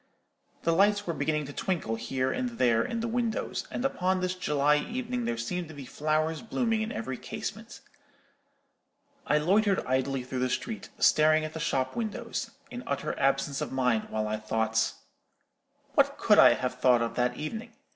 The lights were beginning to twinkle here and there in the windows; and upon this July evening there seemed to be flowers blooming in every casement. I loitered idly through the street, staring at the shop windows, in utter absence of mind while I thought— "What could I have thought of that evening?